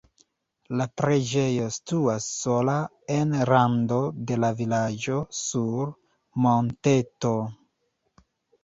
La preĝejo situas sola en rando de la vilaĝo sur monteto.